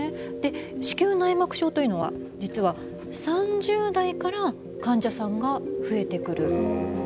子宮内膜症というのは実は３０代から患者さんが増えてくる。